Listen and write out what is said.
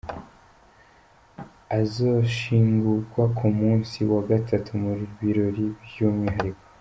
Azoshingugwa ku munsi wa gatatu mu birori vy'umwihariko.